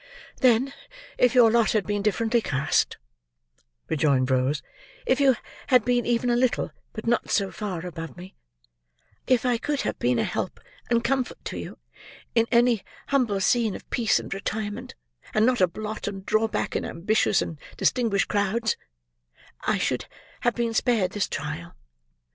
"Then, if your lot had been differently cast," rejoined Rose; "if you had been even a little, but not so far, above me; if I could have been a help and comfort to you in any humble scene of peace and retirement, and not a blot and drawback in ambitious and distinguished crowds; I should have been spared this trial.